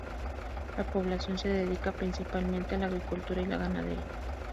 La población se dedica principalmente a la agricultura y la ganadería.